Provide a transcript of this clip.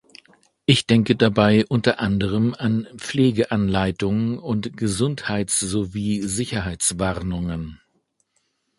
Ich denke dabei unter anderem an Pflegeanleitungen und Gesundheitssowie Sicherheitswarnungen.